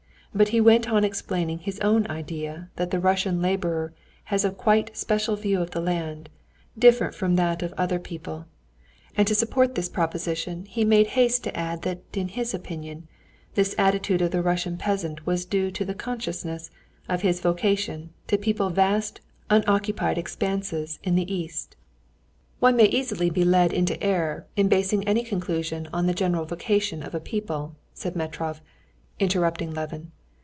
But he went on explaining his own idea that the Russian laborer has a quite special view of the land, different from that of other people; and to support this proposition he made haste to add that in his opinion this attitude of the Russian peasant was due to the consciousness of his vocation to people vast unoccupied expanses in the East. "One may easily be led into error in basing any conclusion on the general vocation of a people," said Metrov, interrupting Levin.